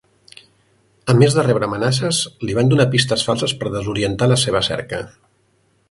A més de rebre amenaces, li van donar pistes falses per desorientar la seva cerca.